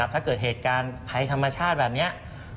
ถ้าเกิดเหตุการณ์ภัยธรรมชาติแบบนี้